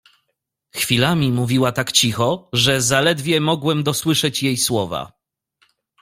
"Chwilami mówiła tak cicho, że zaledwie mogłem dosłyszeć jej słowa."